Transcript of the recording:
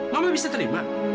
mama bisa terima